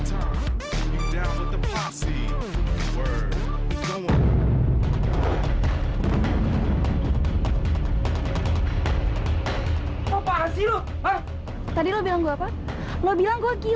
kau ingat apa perinhaanmu kali ini